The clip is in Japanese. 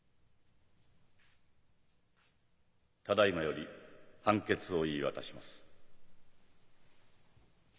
ただいまより判決を言い渡します。